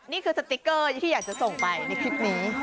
สติ๊กเกอร์ที่อยากจะส่งไปในคลิปนี้